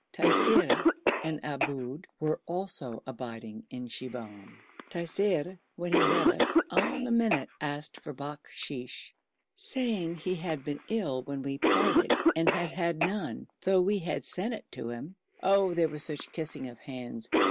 Taisir and Aboud were also abiding in Shibahm. Taisir when he met us, on the minute asked for bakhshish, saying he had been ill when we parted and had had none though we had sent it to him. Oh! there was such kissing of hands!